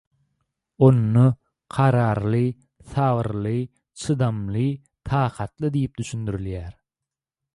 Onda kararly – sabyrly, çydamly, takatly diýip düşündirilýär.